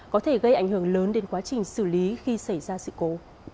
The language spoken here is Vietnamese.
có thể gây ảnh hưởng lớn đến quá trình xử lý khi xảy ra sự cố